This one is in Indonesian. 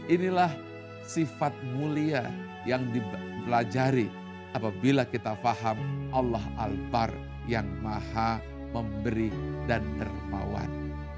inilah sifat mulia yang dipelajari apabila kita faham allah al bar yang maha memberi dan dermawan